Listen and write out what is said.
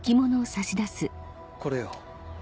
これを。